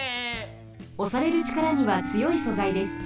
おされるちからにはつよい素材です。